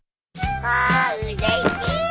あうれしい。